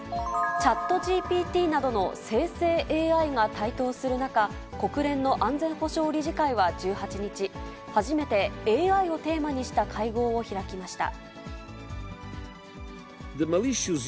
ＣｈａｔＧＰＴなどの生成ＡＩが台頭する中、国連の安全保障理事会は１８日、初めてＡＩをテーマにした会合を開きました。